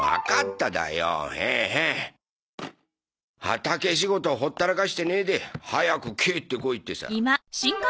畑仕事ほったらかしてねえで早く帰ってこいってさ。